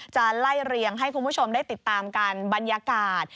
จะไล่เรียงให้คุณผู้ชมได้ติดตามกันบรรยากาศ